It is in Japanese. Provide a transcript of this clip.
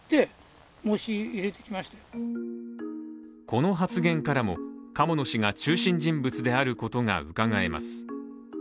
この発言からも鴨野氏が中心人物であることがうかがえます。